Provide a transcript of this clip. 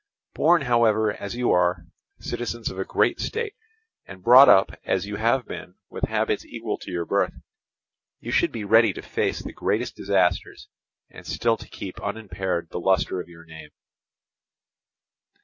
Born, however, as you are, citizens of a great state, and brought up, as you have been, with habits equal to your birth, you should be ready to face the greatest disasters and still to keep unimpaired the lustre of your name.